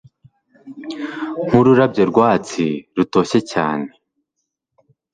nkururabyo rwatsi rutoshye cyane